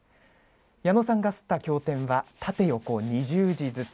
矢野さんが刷った経典は縦横２０字ずつ。